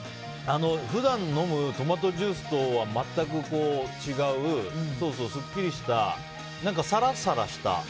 普段飲むトマトジュースとは全く違うすっきりした、さらさらした。